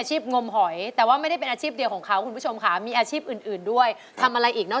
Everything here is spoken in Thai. ๓เชื้อเข้าไปแล้วหมดแล้ว